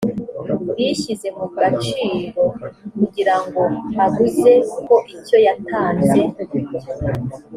bishyize mu gaciro kugira ngo abuze ko icyo yatanze